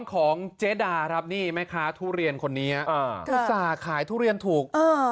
ของเจดารับนี่ไหมคะทุเรียนคนนี้อ่าคุณสาขายทุเรียนถูกอ่า